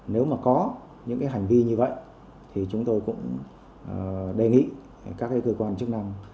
nếu mà có những hành vi như vậy thì chúng tôi cũng đề nghị các cơ quan chức năng